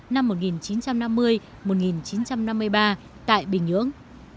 năm một nghìn chín trăm năm mươi một nghìn chín trăm năm mươi ba tại bình nhưỡng